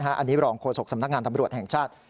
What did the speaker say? อันนี้รองโฆษกสำนักงานตำรวจแห่งชาติ